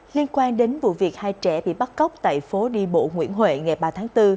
liên quan đến vụ việc hai trẻ bị bắt cóc tại phố đi bộ nguyễn huệ ngày ba tháng bốn